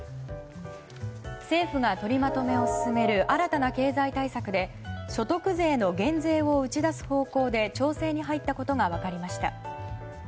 政府が取りまとめを進める新たな経済対策で所得税の減税を打ち出す方向で調整に入ったことが分かりました。